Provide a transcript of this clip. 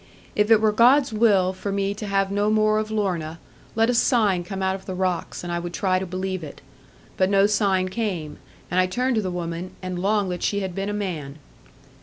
If it were God's will for me to have no more of Lorna, let a sign come out of the rocks, and I would try to believe it. But no sign came, and I turned to the woman, and longed that she had been a man.